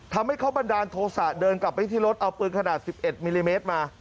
ทำให้เขาบันดาลโทษะเดินกลับไปที่รถเอาปืนขนาด๑๑มิลลิเมตรมา